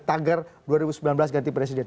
tagar dua ribu sembilan belas ganti presiden